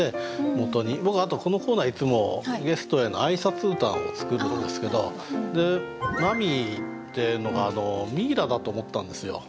僕あとこのコーナーいつもゲストへの挨拶歌を作るんですけど「マミィ」ってのがミイラだと思ったんですよ。